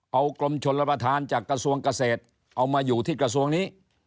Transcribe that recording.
เอากรมชนรับประทานจากกระทรวงเกษตรเอามาอยู่ที่กระทรวงนี้